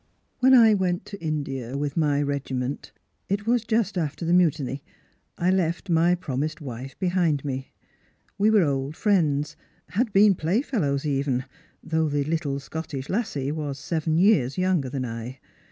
"When I went to India with my regiment — it was just after the Mutiny — I left my promised wife behind me. We were old friends, had been playfellows even, though the little Scottish lassie was seven years younger than I.